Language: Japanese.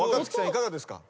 いかがですか？